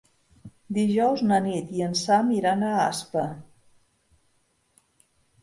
Dijous na Nit i en Sam iran a Aspa.